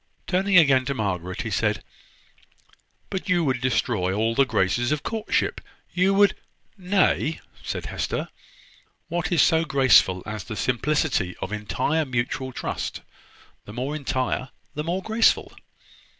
Turning again to Margaret, he said: "But you would destroy all the graces of courtship: you would " "Nay," said Hester, "what is so graceful as the simplicity of entire mutual trust? the more entire the more graceful."